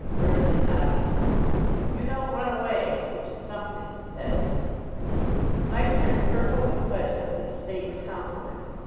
Burgess nodded. "You don't run away, which is something," he said. Mike turned purple with pleasure at this stately compliment.